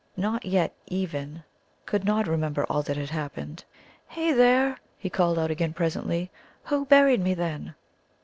Not yet, even, could Nod remember all that had happened. "Hey, there!" he called out again presently, "who buried me, then?"